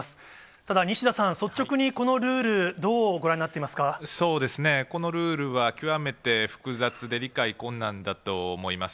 ただ、西田さん、率直にこのルーそうですね、このルールは極めて複雑で、理解困難だと思います。